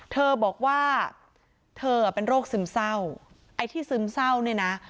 เธอบอกว่าเธอเป็นโรคซึมเศร้าไอ้ที่ซึมเศร้าเนี่ยนะ